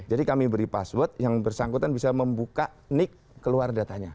jadi kami beri password yang bersangkutan bisa membuka nick keluar datanya